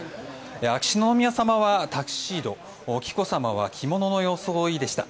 秋篠宮さまはタキシード紀子さまは着物の装いでした。